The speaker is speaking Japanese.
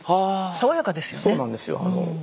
爽やかですね。